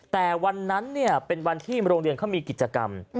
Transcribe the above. แต่วันนั้นเป็นวันที่โรงเรียนเขามีกิจกรรม